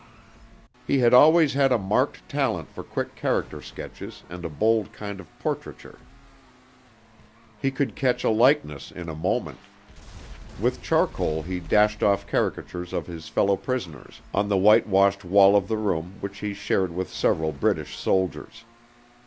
He had always had a marked talent for quick character sketches and a bold kind of portraiture. He could catch a likeness in a moment. With charcoal he dashed off caricatures of his fellow prisoners, on the whitewashed wall of the room which he shared with several British soldiers.